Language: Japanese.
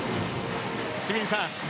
清水さん。